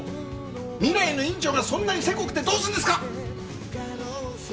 未来の院長がそんなにせこくてどうするんですか？